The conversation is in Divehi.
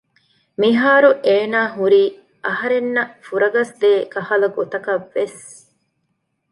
މިހާރު އޭނާ ހުރީ އަހަރެންނަށް ފުރަގަސްދޭ ކަހަލަ ގޮތަކަށްވެސް